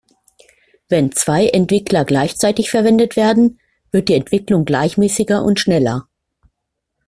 Wenn zwei Entwickler gleichzeitig verwendet werden, wird die Entwicklung gleichmäßiger und schneller.